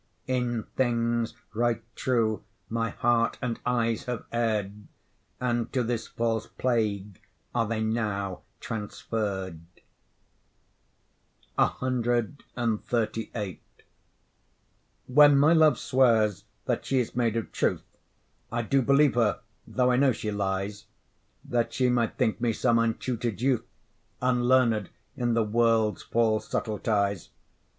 In things right true my heart and eyes have err'd, And to this false plague are they now transferr'd. CXXXVIII When my love swears that she is made of truth, I do believe her though I know she lies, That she might think me some untutor'd youth, Unlearned in the world's false subtleties.